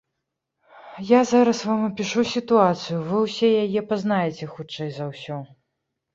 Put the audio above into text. Я зараз вам апішу сітуацыю, вы ўсе яе пазнаеце, хутчэй за ўсё.